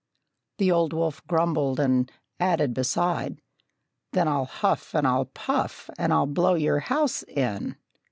The old wolf grumbled, and added beside, "Then I'll huff and I'll puff and I'll blow your house in!"